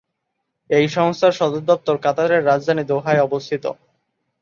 এই সংস্থার সদর দপ্তর কাতারের রাজধানী দোহায় অবস্থিত।